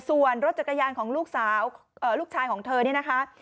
ส่วนรถจักรยานของลูกสาวลูกชายของเธอเนี่ยนะคะ